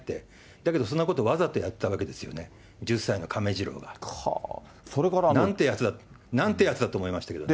だけどそんなこと、わざとやってたわけですよね、１０歳の亀治郎は。なんてやつだ、なんて奴だと思いましたけどね。